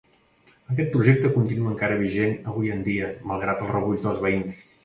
Aquest projecte continua encara vigent avui en dia malgrat el rebuig dels veïns.